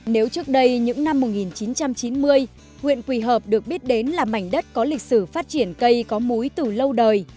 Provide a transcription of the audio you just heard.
nếu trước đây những năm một nghìn chín trăm chín mươi huyện quỳ hợp được biết đến là mảnh đất có lịch sử phát triển cây có múi từ lâu đời